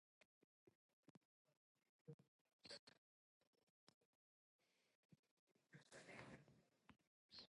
您已签署一份合法的书面声明，授权代理代表您行事。